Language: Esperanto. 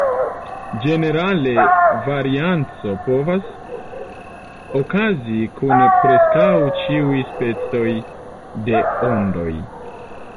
Ĝenerale varianco povas okazi kun preskaŭ ĉiuj specoj de ondoj.